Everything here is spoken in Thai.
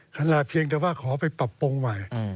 เพียงแต่ว่าขอไปปรับปรุงใหม่